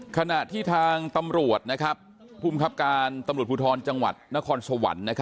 คณะที่ทางตำรวจคุมครัพการประธงจังหวัดนครสวรรค์